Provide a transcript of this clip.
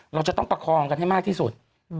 เราจะต้องประคองกันให้มากที่สุด